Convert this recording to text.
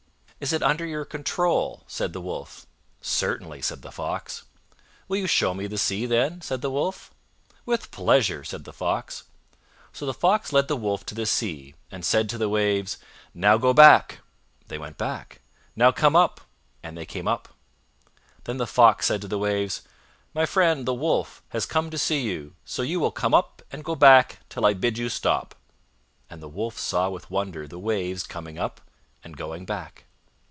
"Is it under your control?" said the Wolf. "Certainly," said the Fox. "Will you show me the Sea, then?" said the Wolf. "With pleasure," said the Fox. So the Fox led the Wolf to the Sea and said to the waves, "Now go back"—they went back! "Now come up"—and they came up! Then the Fox said to the waves, "My friend, the Wolf, has come to see you, so you will come up and go back till I bid you stop; and the Wolf saw with wonder the waves coming up and going back.